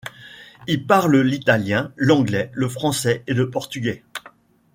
Il parle l’italien, l’anglais, le français et le portugais.